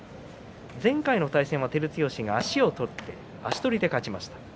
前回は照強は足を取って足取りで勝ちました。